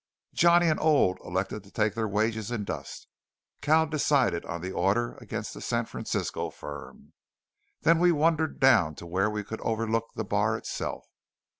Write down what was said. Johnny and Old elected to take their wages in dust; Cal decided on the order against the San Francisco firm. Then we wandered down to where we could overlook the bar itself.